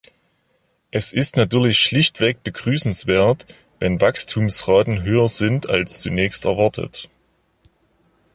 Es ist natürlich schlichtweg begrüßenswert, wenn Wachstumsraten höher sind als zunächst erwartet.